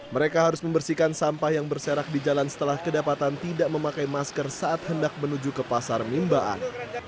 mereka harus membersihkan sampah yang berserak di jalan setelah kedapatan tidak memakai masker saat hendak menuju ke pasar mimbaan